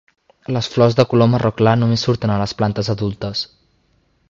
Les flors de color marró clar només surten a les plantes adultes.